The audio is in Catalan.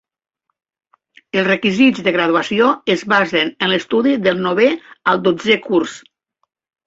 Els requisits de graduació es basen en l'estudi del novè al dotzè curs.